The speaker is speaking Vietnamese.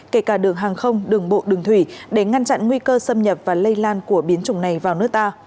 kể cả đường hàng không đường bộ đường thủy để ngăn chặn nguy cơ xâm nhập và lây lan của biến chủng này vào nước ta